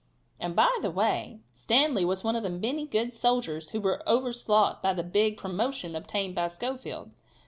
And, by the way, Stanley was one of the many good soldiers who were overslaughed by the big promotion obtained by Schofield.